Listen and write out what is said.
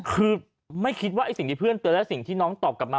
คือไม่คิดว่าไอ้สิ่งที่เพื่อนเตือนและสิ่งที่น้องตอบกลับมา